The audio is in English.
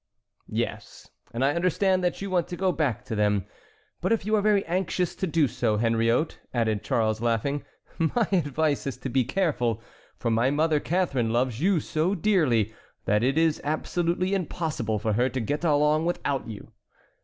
"Yes, and I understand that you want to go back to them; but if you are very anxious to do so, Henriot," added Charles, laughing, "my advice is to be careful, for my mother Catharine loves you so dearly that it is absolutely impossible for her to get along without you."